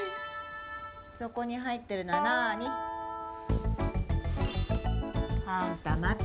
そこに入ってるのは何？あんたまた？